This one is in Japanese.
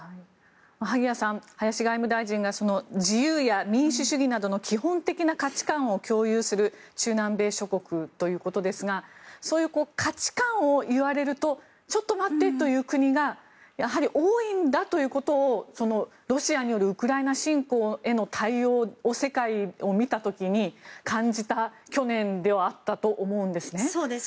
萩谷さん、林外務大臣が自由や民主主義などの基本的な価値観を共有する中南米諸国ということですがそういう価値観を言われるとちょっと待ってという国がやはり多いんだということをロシアによるウクライナ侵攻への対応で世界を見た時に感じた去年ではあったと思うんですね。